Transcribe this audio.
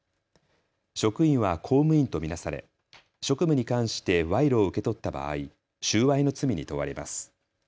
職員は公務員と見なされ職務に関して賄賂を受け取った場合収賄の罪に問われます。